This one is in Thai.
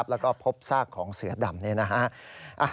แล้วก็พบซากของเสือดำ